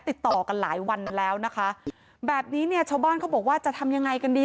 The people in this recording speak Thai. ติดต่อกันหลายวันแล้วนะคะแบบนี้เนี่ยชาวบ้านเขาบอกว่าจะทำยังไงกันดี